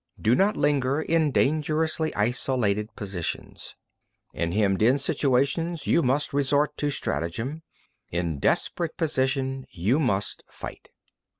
Do not linger in dangerously isolated positions. In hemmed in situations, you must resort to stratagem. In a desperate position, you must fight.